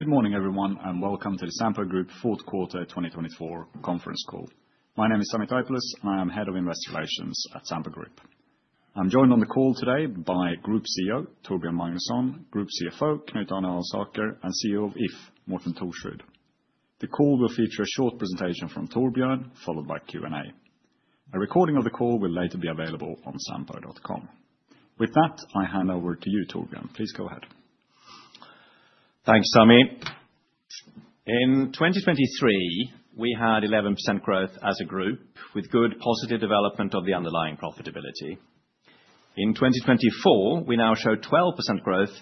Good morning, everyone, and welcome to the Sampo Group Fourth Quarter 2024 conference call. My name is Sami Taipalus, and I am Head of Investor Relations at Sampo Group. I'm joined on the call today by Group CEO, Torbjörn Magnusson, Group CFO, Knut Alsaker, and CEO of If, Morten Thorsrud. The call will feature a short presentation from Torbjörn, followed by Q&A. A recording of the call will later be available on sampo.com. With that, I hand over to you, Torbjörn. Please go ahead. Thanks, Sami. In 2023, we had 11% growth as a group, with good positive development of the underlying profitability. In 2024, we now show 12% growth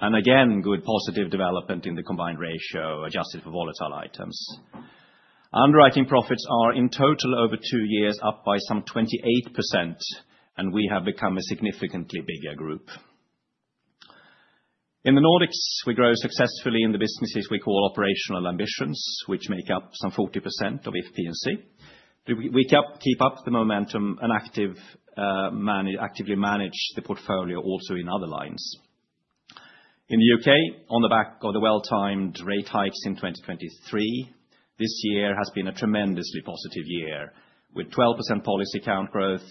and again good positive development in the combined ratio adjusted for volatile items. Underwriting profits are in total over two years up by some 28%, and we have become a significantly bigger group. In the Nordics, we grow successfully in the businesses we call operational ambitions, which make up some 40% of If P&C. We keep up the momentum and actively manage the portfolio also in other lines. In the U.K., on the back of the well-timed rate hikes in 2023, this year has been a tremendously positive year with 12% policy count growth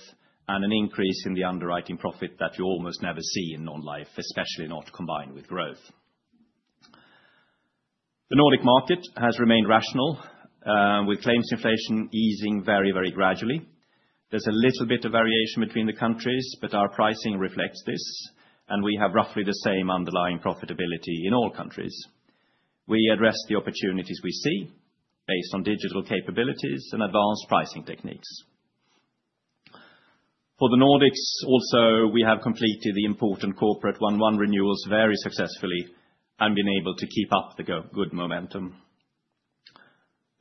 and an increase in the underwriting profit that you almost never see in non-life, especially not combined with growth. The Nordic market has remained rational, with claims inflation easing very, very gradually. There's a little bit of variation between the countries, but our pricing reflects this, and we have roughly the same underlying profitability in all countries. We address the opportunities we see based on digital capabilities and advanced pricing techniques. For the Nordics, also, we have completed the important corporate one-to-one renewals very successfully and been able to keep up the good momentum.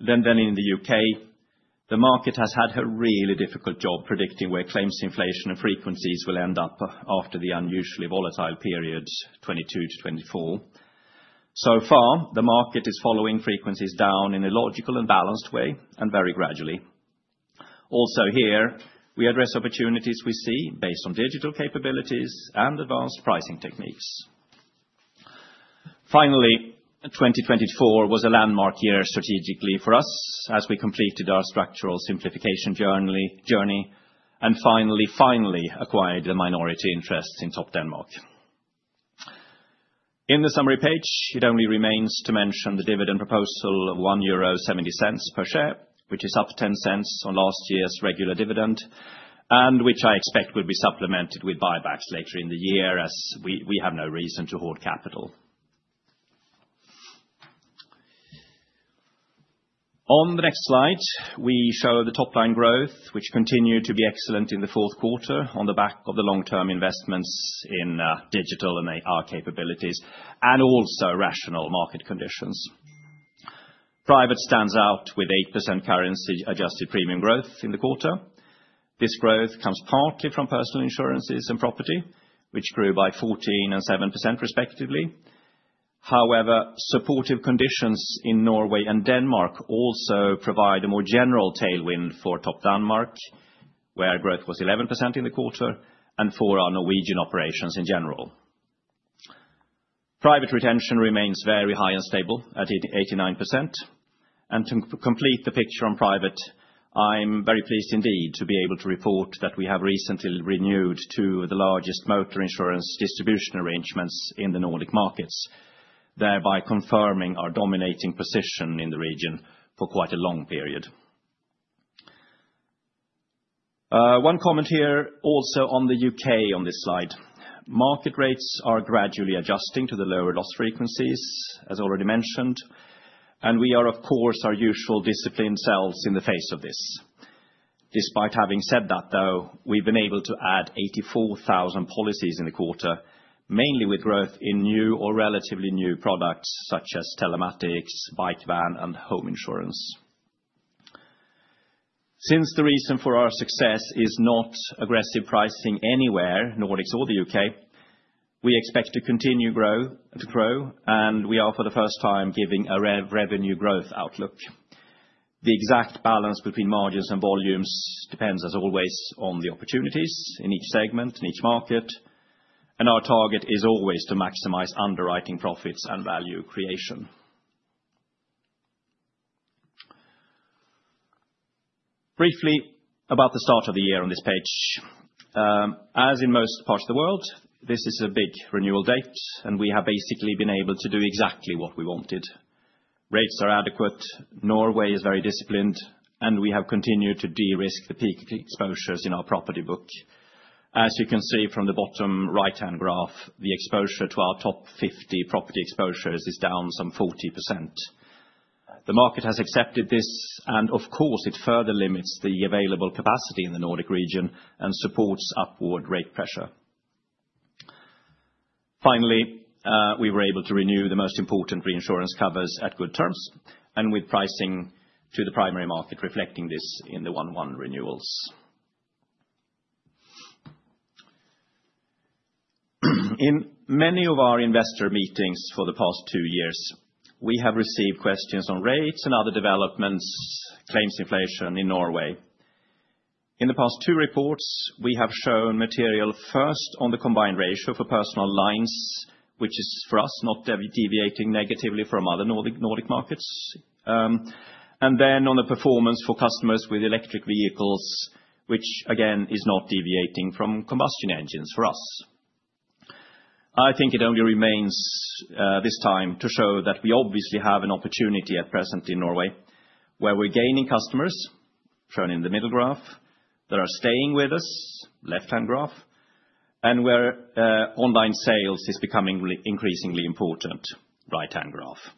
Then in the U.K., the market has had a really difficult job predicting where claims inflation and frequencies will end up after the unusually volatile periods 2022 to 2024. So far, the market is following frequencies down in a logical and balanced way and very gradually. Also here, we address opportunities we see based on digital capabilities and advanced pricing techniques. Finally, 2024 was a landmark year strategically for us as we completed our structural simplification journey and finally acquired the minority interests in Topdanmark. In the summary page, it only remains to mention the dividend proposal of 1.70 euro per share, which is up 10% on last year's regular dividend and which I expect will be supplemented with buybacks later in the year as we have no reason to hoard capital. On the next slide, we show the top-line growth, which continued to be excellent in the fourth quarter on the back of the long-term investments in digital and AR capabilities and also rational market conditions. Private stands out with 8% currency-adjusted premium growth in the quarter. This growth comes partly from personal insurances and property, which grew by 14% and 7% respectively. However, supportive conditions in Norway and Denmark also provide a more general tailwind for Topdanmark, where growth was 11% in the quarter and for our Norwegian operations in general. Private retention remains very high and stable at 89%, and to complete the picture on private, I'm very pleased indeed to be able to report that we have recently renewed two of the largest motor insurance distribution arrangements in the Nordic markets, thereby confirming our dominating position in the region for quite a long period. One comment here also on the U.K. on this slide. Market rates are gradually adjusting to the lower loss frequencies, as already mentioned, and we are, of course, our usual disciplined selves in the face of this. Despite having said that, though, we've been able to add 84,000 policies in the quarter, mainly with growth in new or relatively new products such as telematics, bike, van, and home insurance. Since the reason for our success is not aggressive pricing anywhere, Nordics or the U.K., we expect to continue to grow, and we are for the first time giving a revenue growth outlook. The exact balance between margins and volumes depends, as always, on the opportunities in each segment, in each market, and our target is always to maximize underwriting profits and value creation. Briefly about the start of the year on this page. As in most parts of the world, this is a big renewal date, and we have basically been able to do exactly what we wanted. Rates are adequate, Norway is very disciplined, and we have continued to de-risk the peak exposures in our property book. As you can see from the bottom right-hand graph, the exposure to our top 50 property exposures is down some 40%. The market has accepted this, and of course, it further limits the available capacity in the Nordic region and supports upward rate pressure. Finally, we were able to renew the most important reinsurance covers at good terms and with pricing to the primary market reflecting this in the one-to-one renewals. In many of our investor meetings for the past two years, we have received questions on rates and other developments, claims inflation in Norway. In the past two reports, we have shown material first on the Combined Ratio for personal lines, which is for us not deviating negatively from other Nordic markets, and then on the performance for customers with electric vehicles, which again is not deviating from combustion engines for us. I think it only remains this time to show that we obviously have an opportunity at present in Norway where we're gaining customers, shown in the middle graph, that are staying with us, left-hand graph, and where online sales is becoming increasingly important, right-hand graph.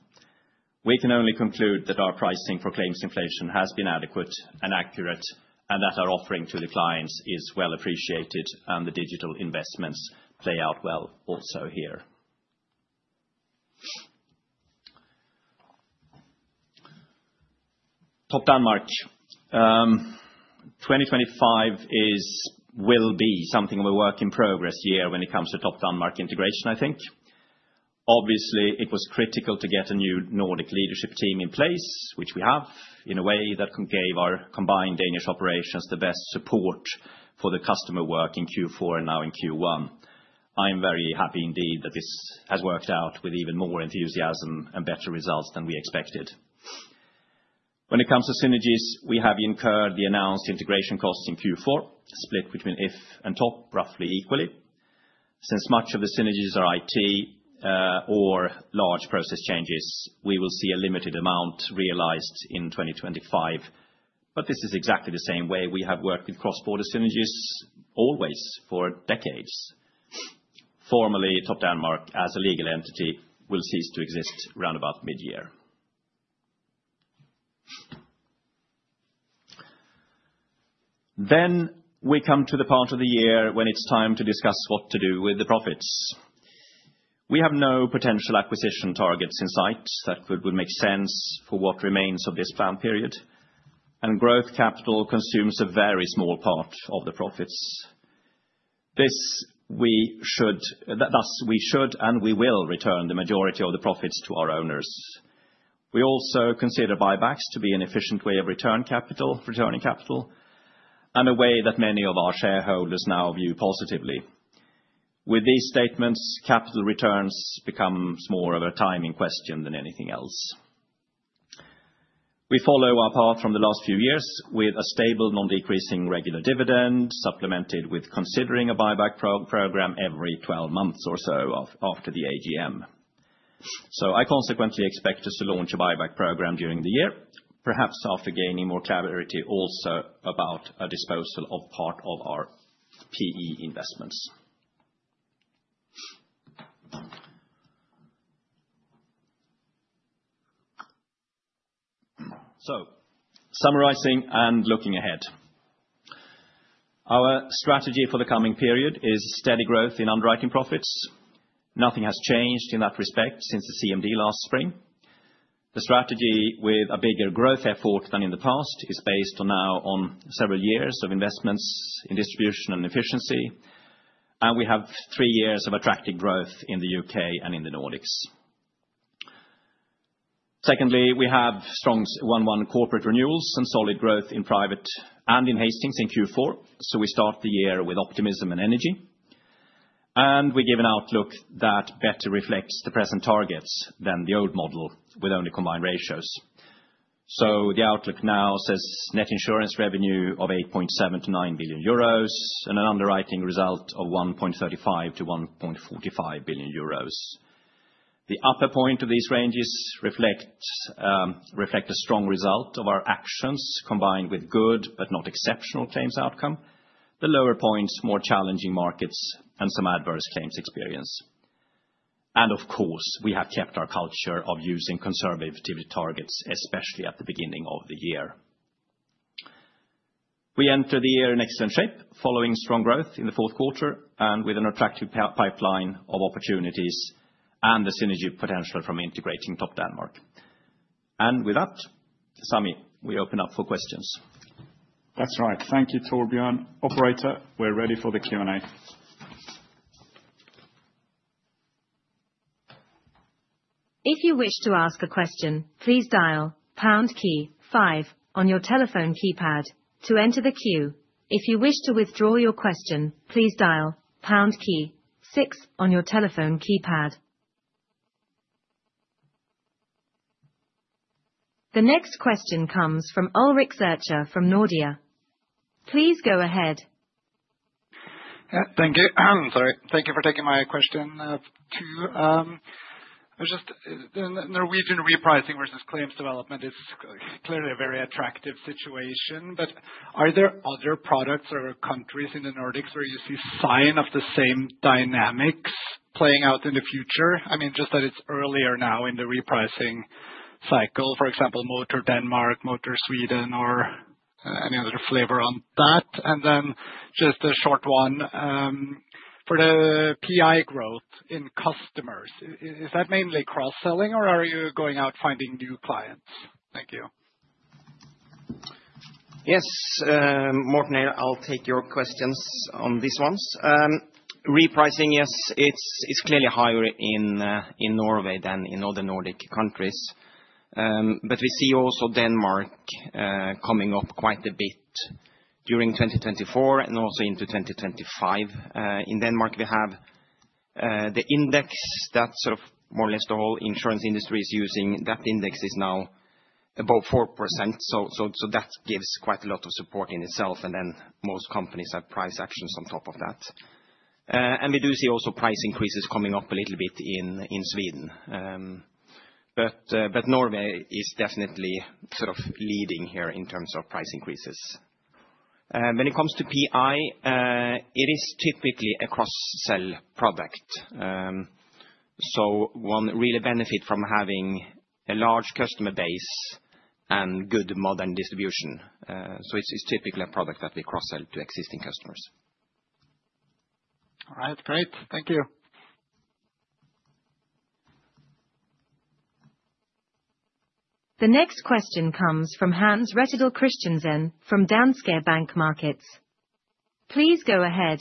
We can only conclude that our pricing for Claims Inflation has been adequate and accurate and that our offering to the clients is well appreciated and the digital investments play out well also here. Topdanmark. 2025 will be something of a work in progress year when it comes to Topdanmark integration, I think. Obviously, it was critical to get a new Nordic leadership team in place, which we have in a way that gave our combined Danish operations the best support for the customer work in Q4 and now in Q1. I'm very happy indeed that this has worked out with even more enthusiasm and better results than we expected. When it comes to synergies, we have incurred the announced integration costs in Q4, split between If and Topdanmark roughly equally. Since much of the synergies are IT or large process changes, we will see a limited amount realized in 2025, but this is exactly the same way we have worked with cross-border synergies always for decades. Formally, Topdanmark as a legal entity will cease to exist around about mid-year. Then we come to the part of the year when it's time to discuss what to do with the profits. We have no potential acquisition targets in sight that would make sense for what remains of this planned period, and growth capital consumes a very small part of the profits. Thus, we should and we will return the majority of the profits to our owners. We also consider buybacks to be an efficient way of returning capital and a way that many of our shareholders now view positively. With these statements, capital returns become more of a timing question than anything else. We follow our path from the last few years with a stable, non-decreasing regular dividend supplemented with considering a buyback program every 12 months or so after the AGM. So I consequently expect us to launch a buyback program during the year, perhaps after gaining more clarity also about a disposal of part of our PE investments. So summarizing and looking ahead. Our strategy for the coming period is steady growth in underwriting profits. Nothing has changed in that respect since the CMD last spring. The strategy with a bigger growth effort than in the past is based now on several years of investments in distribution and efficiency, and we have three years of attractive growth in the U.K. and in the Nordics. Secondly, we have strong one-to-one corporate renewals and solid growth in private and in Hastings in Q4, so we start the year with optimism and energy, and we give an outlook that better reflects the present targets than the old model with only combined ratios, so the outlook now says net insurance revenue of 8.7-9 billion euros and an underwriting result of 1.35-1.45 billion euros. The upper point of these ranges reflects a strong result of our actions combined with good but not exceptional claims outcome. The lower points, more challenging markets and some adverse claims experience, and of course, we have kept our culture of using conservative targets, especially at the beginning of the year. We enter the year in excellent shape, following strong growth in the fourth quarter and with an attractive pipeline of opportunities and the synergy potential from integrating Topdanmark, and with that, Sami, we open up for questions. That's right. Thank you, Torbjörn. Operator, we're ready for the Q&A. If you wish to ask a question, please dial pound key five on your telephone keypad to enter the queue. If you wish to withdraw your question, please dial pound key six on your telephone keypad. The next question comes from Ulrik Zürcher from Nordea. Please go ahead. Thank you. Sorry. Thank you for taking my question too. Just Norwegian repricing versus claims development is clearly a very attractive situation, but are there other products or countries in the Nordics where you see signs of the same dynamics playing out in the future? I mean, just that it's earlier now in the repricing cycle, for example, Motor Denmark, Motor Sweden, or any other flavor on that. And then just a short one. For the PI growth in customers, is that mainly cross-selling or are you going out finding new clients? Thank you. Yes. Morten, I'll take your questions on these ones. Repricing, yes, it's clearly higher in Norway than in other Nordic countries, but we see also Denmark coming up quite a bit during 2024 and also into 2025. In Denmark, we have the index that sort of more or less the whole insurance industry is using. That index is now above 4%, so that gives quite a lot of support in itself, and then most companies have price actions on top of that, and we do see also price increases coming up a little bit in Sweden, but Norway is definitely sort of leading here in terms of price increases. When it comes to PI, it is typically a cross-sell product, so one really benefits from having a large customer base and good modern distribution, so it's typically a product that we cross-sell to existing customers. All right. Great. Thank you. The next question comes from Hans Rettedal Christiansen from Danske Bank Markets. Please go ahead.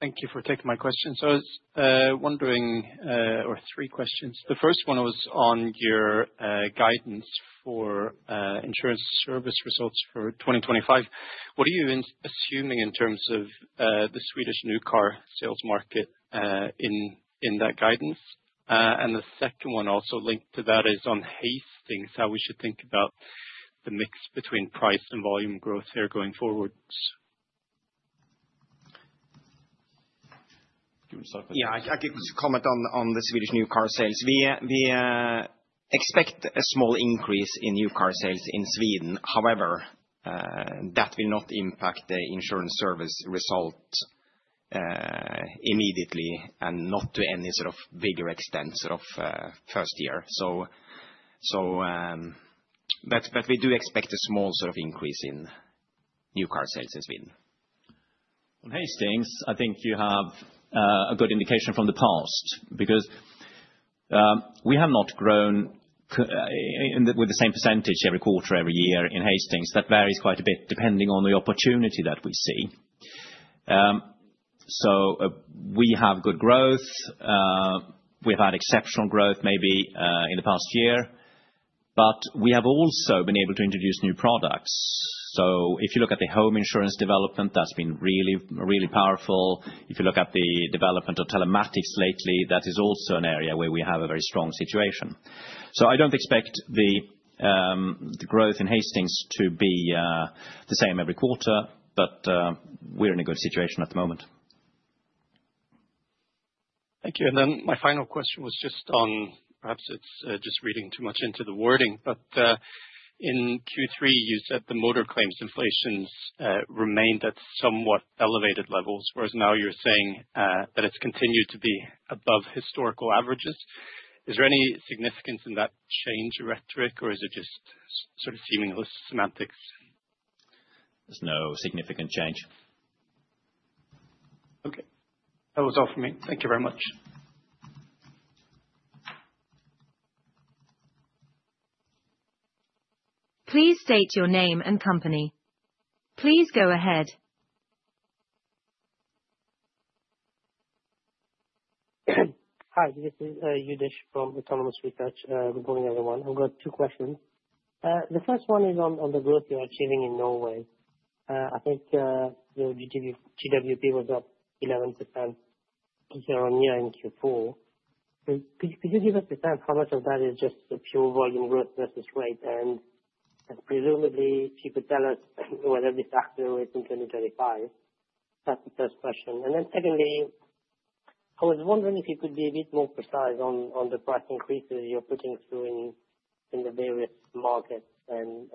Thank you for taking my question. So I was wondering about three questions. The first one was on your guidance for insurance service results for 2025. What are you assuming in terms of the Swedish new car sales market in that guidance? And the second one also linked to that is on Hastings, how we should think about the mix between price and volume growth here going forward? Yeah, I could just comment on the Swedish new car sales. We expect a small increase in new car sales in Sweden. However, that will not impact the insurance service result immediately and not to any sort of bigger extent sort of first year. So that we do expect a small sort of increase in new car sales in Sweden. Hastings, I think you have a good indication from the past because we have not grown with the same percentage every quarter, every year in Hastings. That varies quite a bit depending on the opportunity that we see. So we have good growth. We have had exceptional growth maybe in the past year, but we have also been able to introduce new products. So if you look at the home insurance development, that's been really, really powerful. If you look at the development of telematics lately, that is also an area where we have a very strong situation. So I don't expect the growth in Hastings to be the same every quarter, but we're in a good situation at the moment. Thank you, and then my final question was just on perhaps it's just reading too much into the wording, but in Q3, you said the motor claims inflation remained at somewhat elevated levels, whereas now you're saying that it's continued to be above historical averages. Is there any significance in that change in rhetoric, or is it just sort of mere semantics? There's no significant change. Okay. That was all for me. Thank you very much. Please state your name and company. Please go ahead. Hi, this is Youdish from Autonomous Research. Good morning, everyone. I've got two questions. The first one is on the growth you're achieving in Norway. I think the GWP was up 11% here on year in Q4. Could you give us a sense how much of that is just pure volume growth versus rate? And presumably, if you could tell us whether this actually is in 2025, that's the first question. And then secondly, I was wondering if you could be a bit more precise on the price increases you're putting through in the various markets and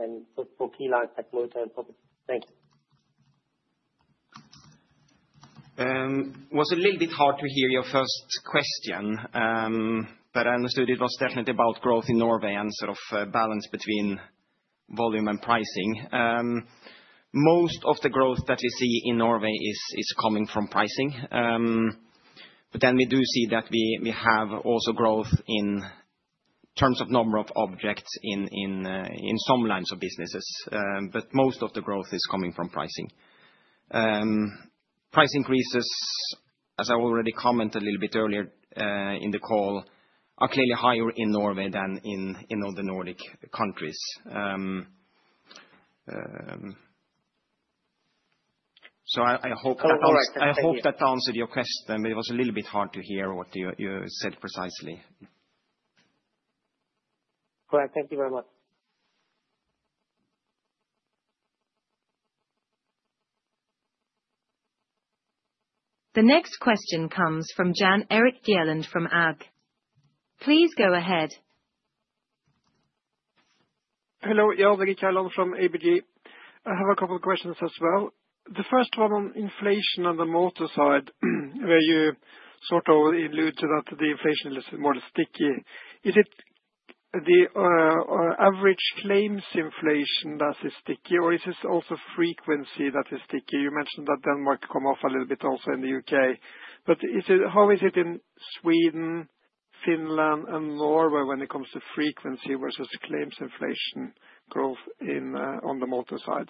for key lines like motor and property. Thank you. It was a little bit hard to hear your first question, but I understood it was definitely about growth in Norway and sort of balance between volume and pricing. Most of the growth that we see in Norway is coming from pricing, but then we do see that we have also growth in terms of number of objects in some lines of businesses, but most of the growth is coming from pricing. Price increases, as I already commented a little bit earlier in the call, are clearly higher in Norway than in other Nordic countries, so I hope that answered your question, but it was a little bit hard to hear what you said precisely. All right. Thank you very much. The next question comes from Jan Erik Gjerland from ABG. Please go ahead. Hello, Jan Erik Gjerland from ABG. I have a couple of questions as well. The first one on inflation on the motor side, where you sort of alluded to that the inflation is more sticky. Is it the average claims inflation that is sticky, or is it also frequency that is sticky? You mentioned that Denmark come off a little bit also in the U.K., but how is it in Sweden, Finland, and Norway when it comes to frequency versus claims inflation growth on the motor side?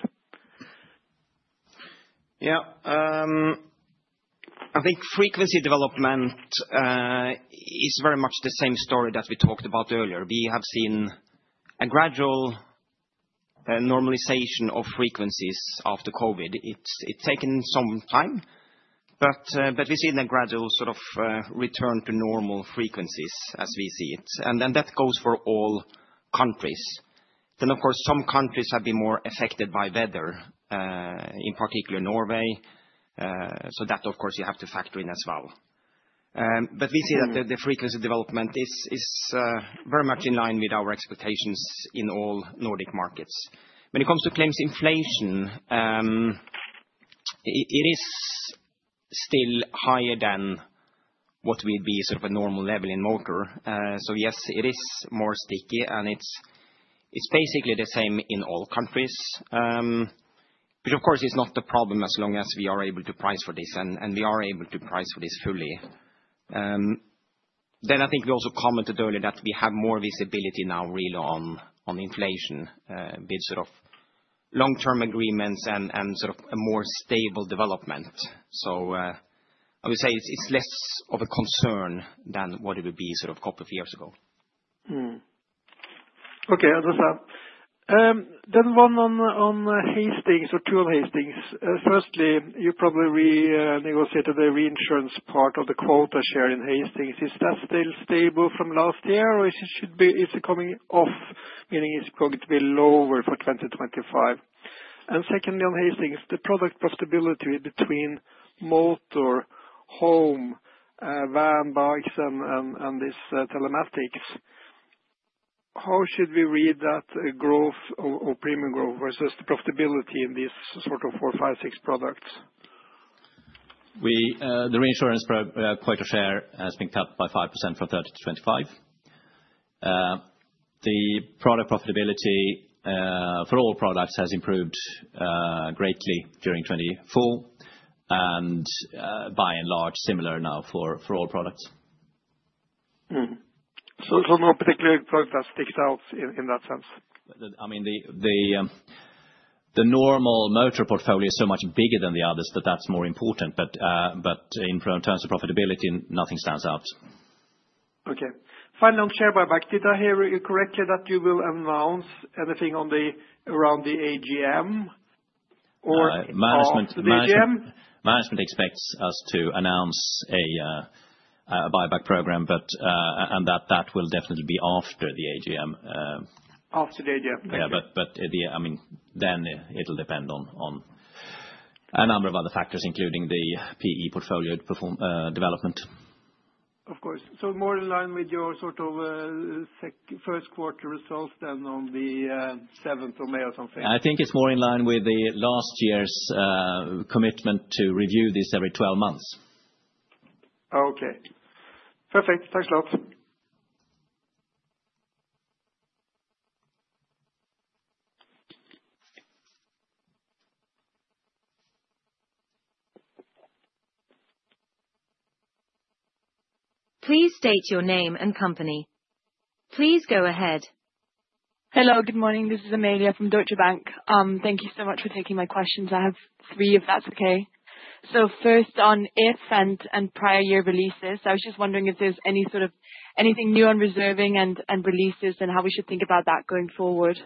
Yeah. I think frequency development is very much the same story that we talked about earlier. We have seen a gradual normalization of frequencies after COVID. It's taken some time, but we've seen a gradual sort of return to normal frequencies as we see it. And then that goes for all countries. Then, of course, some countries have been more affected by weather, in particular Norway, so that, of course, you have to factor in as well. But we see that the frequency development is very much in line with our expectations in all Nordic markets. When it comes to claims inflation, it is still higher than what would be sort of a normal level in motor. So yes, it is more sticky, and it's basically the same in all countries, which, of course, is not the problem as long as we are able to price for this and we are able to price for this fully. Then I think we also commented earlier that we have more visibility now really on inflation with sort of long-term agreements and sort of a more stable development. So I would say it's less of a concern than what it would be sort of a couple of years ago. Okay. That was that. Then one on Hastings or Tob Hastings. Firstly, you probably renegotiated the reinsurance part of the quota share in Hastings. Is that still stable from last year, or is it coming off, meaning it's going to be lower for 2025? And secondly, on Hastings, the product profitability between motor, home, van, bikes, and these telematics, how should we read that growth or premium growth versus the profitability in these sort of four, five, six products? The reinsurance quota share has been cut by 5% from 30% to 25%. The product profitability for all products has improved greatly during 2024 and, by and large, similar now for all products. So no particular product that sticks out in that sense? I mean, the normal motor portfolio is so much bigger than the others that that's more important, but in terms of profitability, nothing stands out. Okay. Finally, on share buyback, did I hear you correctly that you will announce anything around the AGM or the CMD? Management expects us to announce a buyback program, and that will definitely be after the AGM. After the AGM? Yeah, but I mean, then it'll depend on a number of other factors, including the PE portfolio development. Of course. So more in line with your sort of first quarter results than on the 7th of May or something? I think it's more in line with last year's commitment to review this every 12 months. Okay. Perfect. Thanks a lot. Please state your name and company. Please go ahead. Hello, good morning. This is Amelia from Deutsche Bank. Thank you so much for taking my questions. I have three if that's okay. First on If P&C and prior year releases, I was just wondering if there's any sort of anything new on reserving and releases and how we should think about that going forward.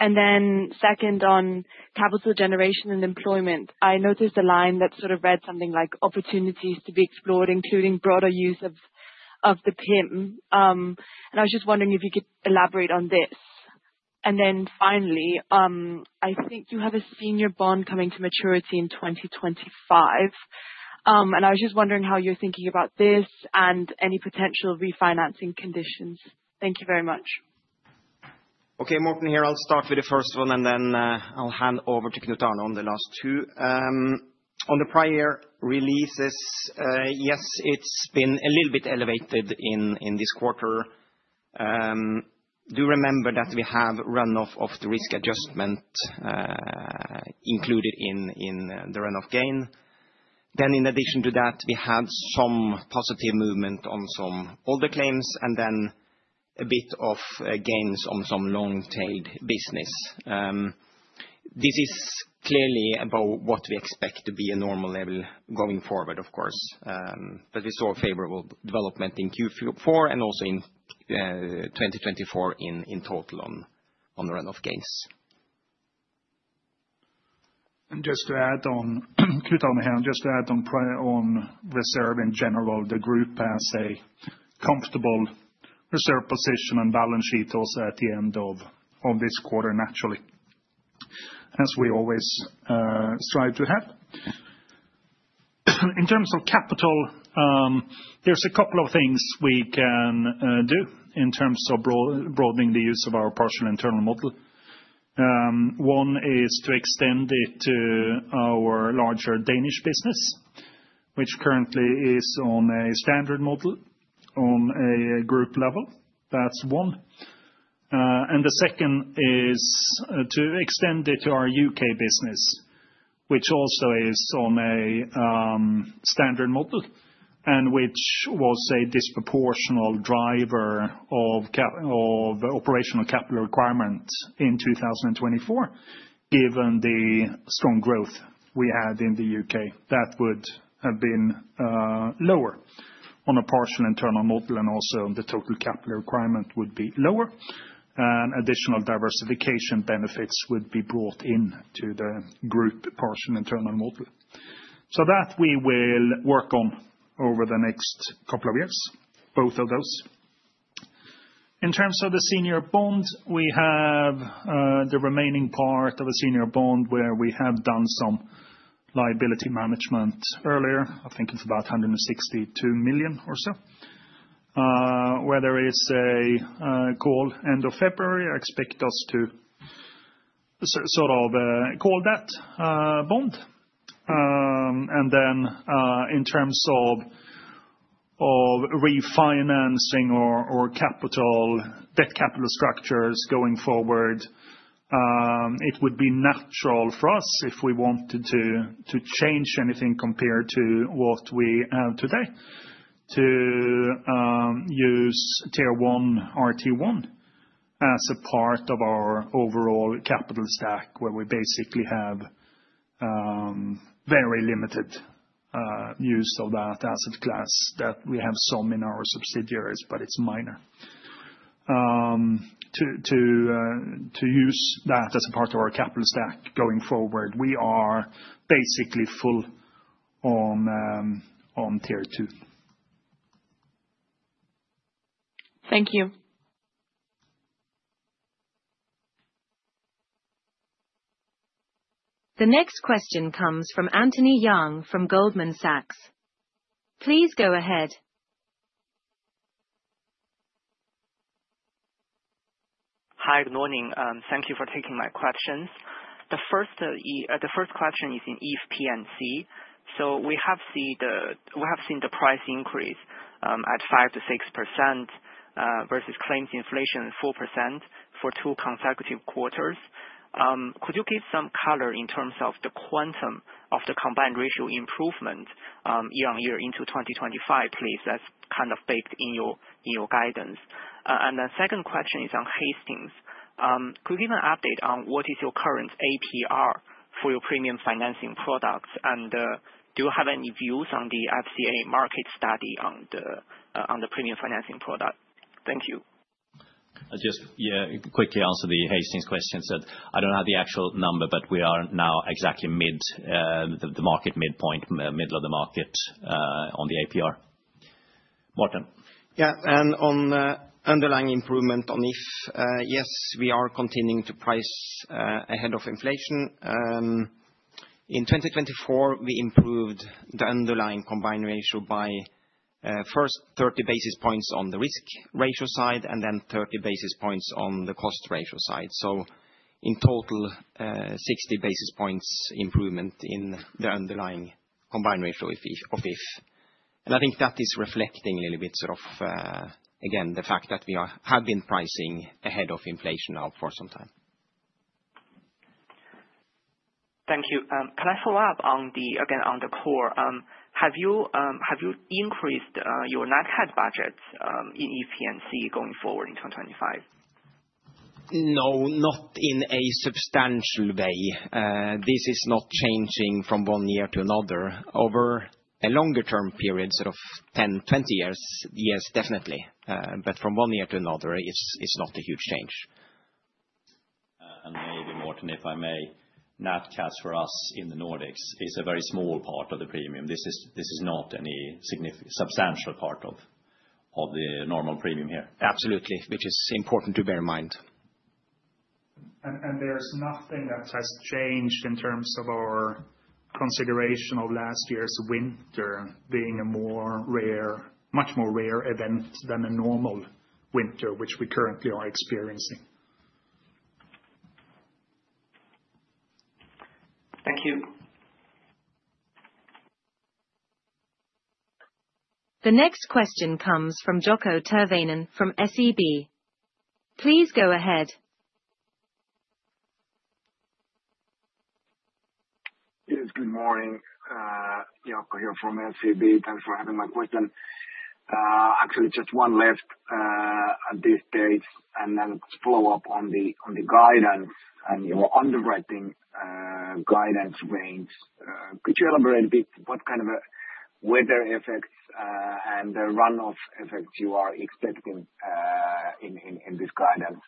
Then second on capital generation and deployment, I noticed a line that sort of read something like opportunities to be explored, including broader use of the PIM. Finally, I think you have a senior bond coming to maturity in 2025, and I was just wondering how you're thinking about this and any potential refinancing conditions. Thank you very much. Okay, Morten here. I'll start with the first one, and then I'll hand over to Knut Alsaker on the last two. On the prior year releases, yes, it's been a little bit elevated in this quarter. Do remember that we have run-off of the risk adjustment included in the run-off gain. Then, in addition to that, we had some positive movement on some older claims and then a bit of gains on some long-tailed business. This is clearly about what we expect to be a normal level going forward, of course, but we saw favorable development in Q4 and also in 2024 in total on the run-off gains. And just to add on, Knut Alsaker here, and just to add on reserves in general, the group has a comfortable reserve position and balance sheet also at the end of this quarter, naturally, as we always strive to have. In terms of capital, there's a couple of things we can do in terms of broadening the use of our partial internal model. One is to extend it to our larger Danish business, which currently is on a standard model on a group level. That's one. And the second is to extend it to our U.K. business, which also is on a standard model and which was a disproportionate driver of operational capital requirement in 2024, given the strong growth we had in the U.K. That would have been lower on a partial internal model, and also the total capital requirement would be lower, and additional diversification benefits would be brought into the group partial internal model. So that we will work on over the next couple of years, both of those. In terms of the senior bond, we have the remaining part of a senior bond where we have done some liability management earlier. I think it's about 162 million or so. Whether it's a call end of February, I expect us to sort of call that bond. And then in terms of refinancing or capital debt capital structures going forward, it would be natural for us if we wanted to change anything compared to what we have today to use Tier 1 RT1 as a part of our overall capital stack, where we basically have very limited use of that asset class that we have some in our subsidiaries, but it's minor. To use that as a part of our capital stack going forward, we are basically full on Tier 2. Thank you. The next question comes from Anthony Yang from Goldman Sachs. Please go ahead. Hi, good morning. Thank you for taking my questions. The first question is in If P&C. So we have seen the price increase at 5%-6% versus claims inflation 4% for two consecutive quarters. Could you give some color in terms of the quantum of the combined ratio improvement year on year into 2025, please? That's kind of baked in your guidance. And the second question is on Hastings. Could you give an update on what is your current APR for your premium financing products, and do you have any views on the FCA market study on the premium financing product? Thank you. I'll just quickly answer the Hastings question. I don't have the actual number, but we are now exactly mid-market, midpoint, middle of the market on the APR. Morten. Yeah. And on underlying improvement on If, yes, we are continuing to price ahead of inflation. In 2024, we improved the underlying combined ratio by first 30 basis points on the risk ratio side and then 30 basis points on the cost ratio side. So in total, 60 basis points improvement in the underlying combined ratio of If. And I think that is reflecting a little bit sort of, again, the fact that we have been pricing ahead of inflation now for some time. Thank you. Can I follow up again on the core? Have you increased your net cat budgets in If P&C going forward in 2025? No, not in a substantial way. This is not changing from one year to another. Over a longer-term period, sort of 10, 20 years, yes, definitely. But from one year to another, it's not a huge change. Maybe, Morten, if I may, net cash for us in the Nordics is a very small part of the premium. This is not a substantial part of the normal premium here. Absolutely, which is important to bear in mind. There's nothing that has changed in terms of our consideration of last year's winter being a much more rare event than a normal winter, which we currently are experiencing. Thank you. The next question comes from Jaakko Tyrväinen from SEB. Please go ahead. Good morning. Jaakko here from SEB. Thanks for having my question. Actually, just one left at this stage, and then follow up on the guidance and your underwriting guidance range. Could you elaborate a bit what kind of weather effects and the run-off effects you are expecting in this guidance?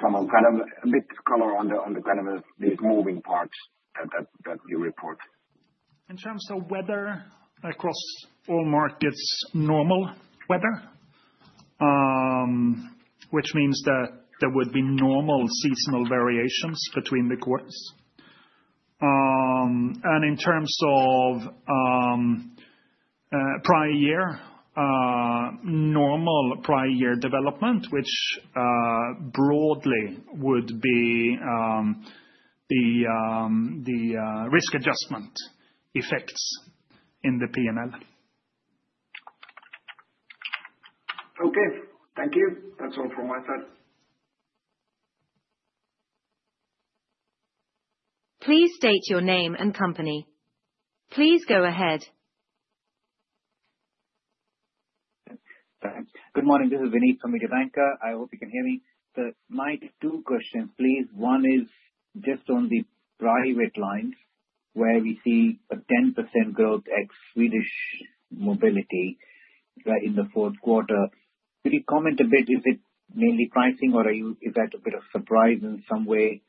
Some kind of a bit of color on the kind of these moving parts that you report. In terms of weather across all markets, normal weather, which means that there would be normal seasonal variations between the quarters, and in terms of prior year, normal prior year development, which broadly would be the risk adjustment effects in the P&L. Okay. Thank you. That's all from my side. Please state your name and company. Please go ahead. Thanks. Good morning. This is Vinit from Mediobanca. I hope you can hear me. My two questions, please. One is just on the private lines where we see a 10% growth ex-Swedish mobility in the fourth quarter. Could you comment a bit? Is it mainly pricing, or is that a bit of surprise in some way,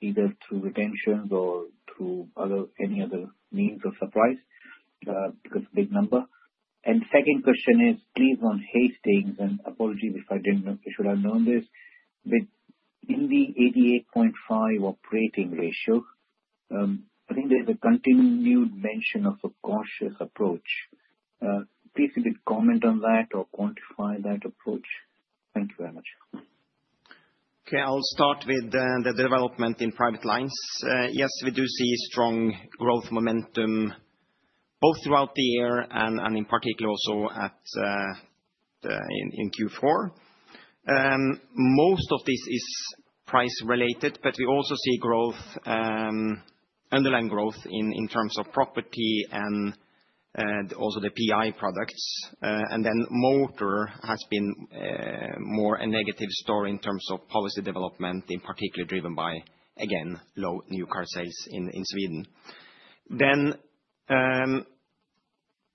either through retentions or through any other means of surprise because it's a big number? And the second question is, please, on Hastings, and apologies if I should have known this, but in the 88.5% operating ratio, I think there's a continued mention of a cautious approach. Please comment on that or quantify that approach. Thank you very much. Okay. I'll start with the development in private lines. Yes, we do see strong growth momentum both throughout the year and in particular also in Q4. Most of this is price-related, but we also see underlying growth in terms of property and also the PI products, and then motor has been more a negative story in terms of policy development, in particular driven by, again, low new car sales in Sweden, then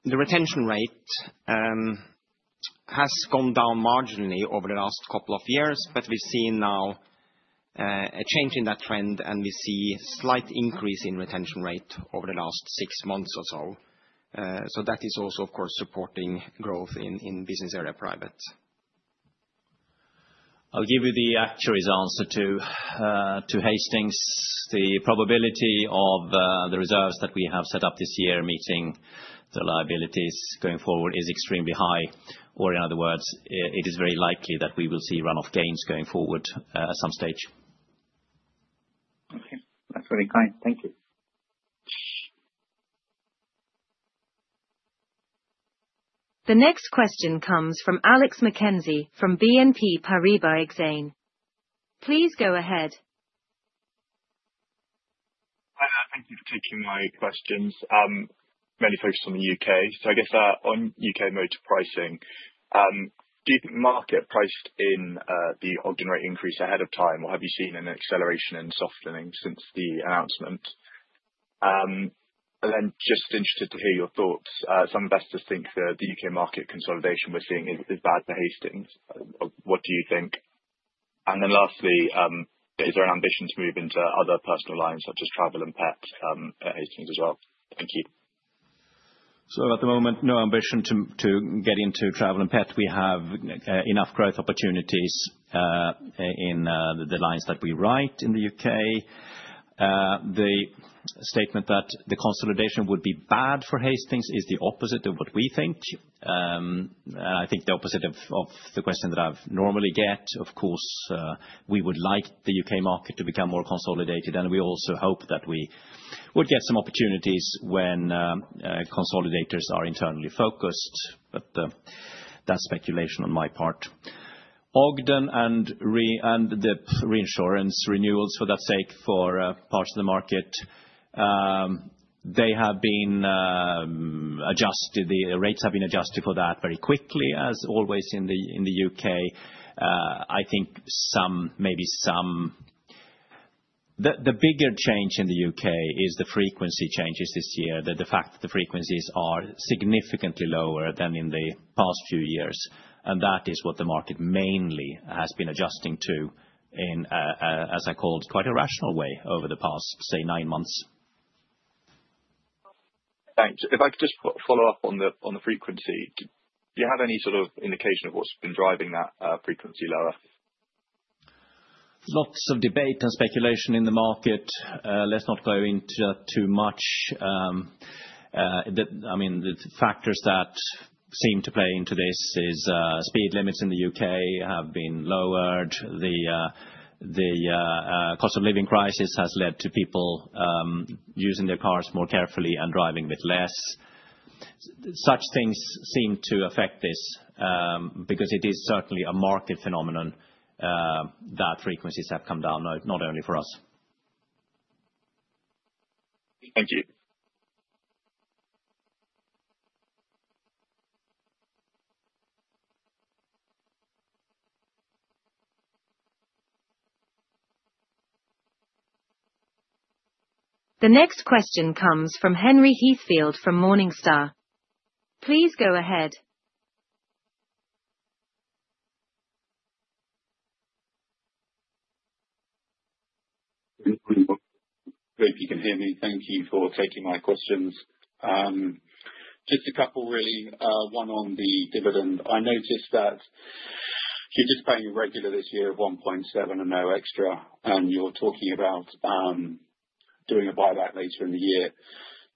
the retention rate has gone down marginally over the last couple of years, but we've seen now a change in that trend, and we see a slight increase in retention rate over the last six months or so, so that is also, of course, supporting growth in business area private. I'll give you the actuaries' answer to Hastings. The probability of the reserves that we have set up this year meeting the liabilities going forward is extremely high, or in other words, it is very likely that we will see run-off gains going forward at some stage. Okay. That's very kind. Thank you. The next question comes from Alex Mackenzie from BNP Paribas Exane. Please go ahead. Thank you for taking my questions. Mainly focused on the U.K., so I guess on U.K. motor pricing, do you think the market priced in the ordinary increase ahead of time, or have you seen an acceleration and softening since the announcement? And then just interested to hear your thoughts. Some investors think that the U.K. market consolidation we're seeing is bad for Hastings. What do you think? And then lastly, is there an ambition to move into other personal lines such as travel and pet at Hastings as well? Thank you. So at the moment, no ambition to get into travel and pet. We have enough growth opportunities in the lines that we write in the U.K. The statement that the consolidation would be bad for Hastings is the opposite of what we think. And I think the opposite of the question that I normally get. Of course, we would like the U.K. market to become more consolidated, and we also hope that we would get some opportunities when consolidators are internally focused, but that's speculation on my part. Ogden and the reinsurance renewals for that sake for parts of the market, they have been adjusted. The rates have been adjusted for that very quickly, as always in the U.K. I think maybe some of the bigger change in the U.K. is the frequency changes this year, the fact that the frequencies are significantly lower than in the past few years. That is what the market mainly has been adjusting to in, as I called, quite a rational way over the past, say, nine months. Thanks. If I could just follow up on the frequency, do you have any sort of indication of what's been driving that frequency lower? Lots of debate and speculation in the market. Let's not go into that too much. I mean, the factors that seem to play into this is speed limits in the U.K. have been lowered. The cost of living crisis has led to people using their cars more carefully and driving with less. Such things seem to affect this because it is certainly a market phenomenon that frequencies have come down, not only for us. Thank you. The next question comes from Henry Heathfield from Morningstar. Please go ahead. Great. You can hear me. Thank you for taking my questions. Just a couple, really. One on the dividend. I noticed that you're just paying a regular this year of 1.7 and no extra, and you're talking about doing a buyback later in the year.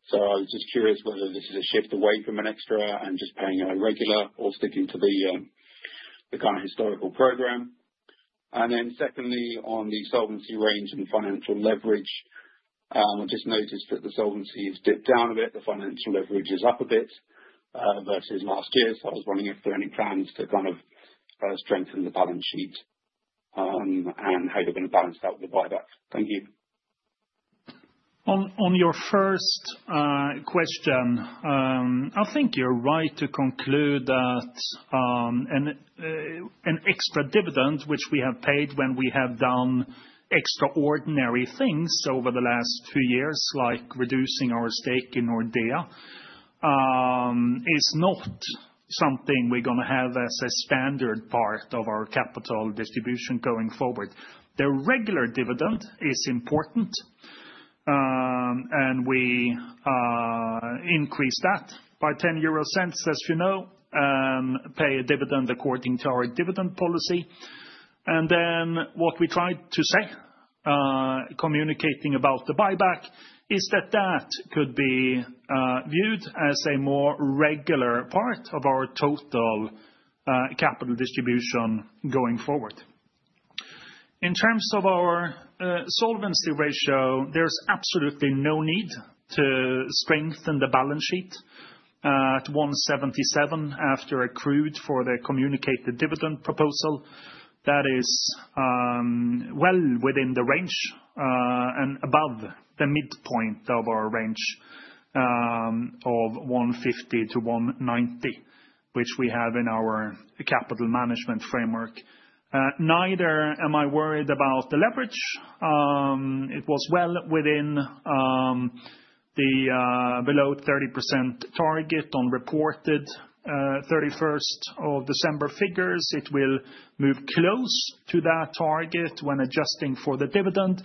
So I was just curious whether this is a shift away from an extra and just paying a regular or sticking to the kind of historical program. And then secondly, on the solvency range and financial leverage, I just noticed that the solvency has dipped down a bit. The financial leverage is up a bit versus last year. So I was wondering if there are any plans to kind of strengthen the balance sheet and how you're going to balance that with the buyback. Thank you. On your first question, I think you're right to conclude that an extra dividend, which we have paid when we have done extraordinary things over the last two years, like reducing our stake in Nordea, is not something we're going to have as a standard part of our capital distribution going forward. The regular dividend is important, and we increase that by 0.10, as you know, pay a dividend according to our dividend policy, and then what we tried to say, communicating about the buyback, is that that could be viewed as a more regular part of our total capital distribution going forward. In terms of our solvency ratio, there's absolutely no need to strengthen the balance sheet at 1.77 after accrued for the communicated dividend proposal. That is well within the range and above the midpoint of our range of 1.50-1.90, which we have in our capital management framework. Neither am I worried about the leverage. It was well within the below 30% target on reported 31st of December figures. It will move close to that target when adjusting for the dividend.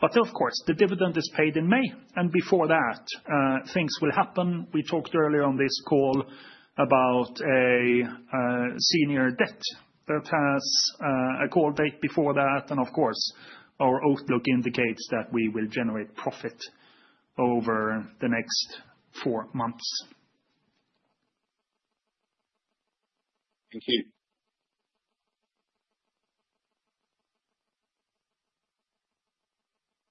But of course, the dividend is paid in May, and before that, things will happen. We talked earlier on this call about a senior debt that has a call date before that. And of course, our outlook indicates that we will generate profit over the next four months. Thank you.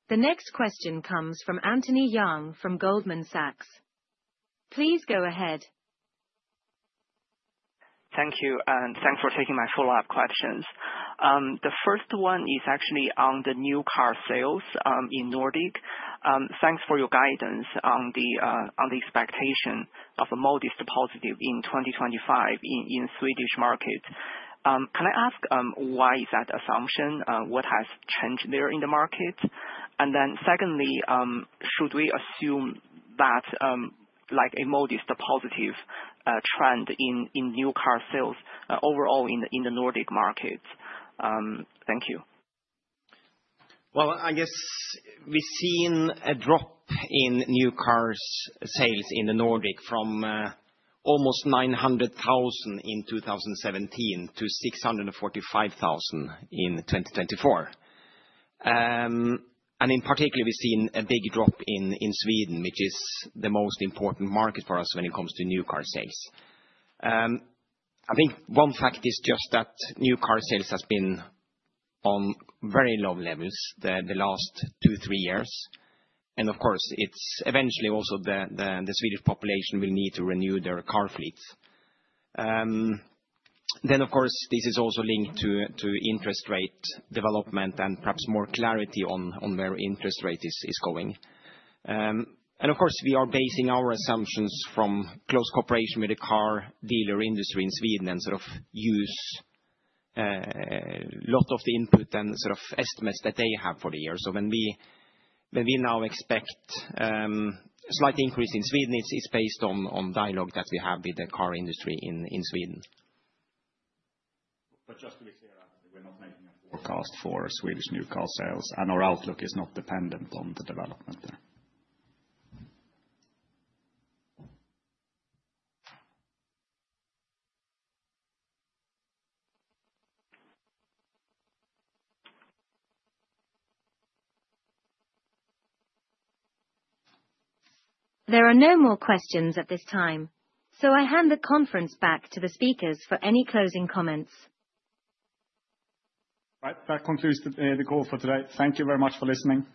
The next question comes from Anthony Yang from Goldman Sachs. Please go ahead. Thank you, and thanks for taking my follow-up questions. The first one is actually on the new car sales in Nordic. Thanks for your guidance on the expectation of a modest dip in 2025 in Swedish markets. Can I ask why is that assumption? What has changed there in the market? And then secondly, should we assume that a modest dip trend in new car sales overall in the Nordic markets? Thank you. I guess we've seen a drop in new car sales in the Nordics from almost 900,000 in 2017 to 645,000 in 2024. In particular, we've seen a big drop in Sweden, which is the most important market for us when it comes to new car sales. I think one fact is just that new car sales have been on very low levels the last two, three years. Of course, eventually also the Swedish population will need to renew their car fleets. Of course, this is also linked to interest rate development and perhaps more clarity on where interest rate is going. Of course, we are basing our assumptions on close cooperation with the car dealer industry in Sweden and sort of use a lot of the input and sort of estimates that they have for the year. When we now expect a slight increase in Sweden, it's based on dialogue that we have with the car industry in Sweden. But just to be clear, we're not making a forecast for Swedish new car sales, and our outlook is not dependent on the development there. There are no more questions at this time, so I hand the conference back to the speakers for any closing comments. All right. That concludes the call for today. Thank you very much for listening.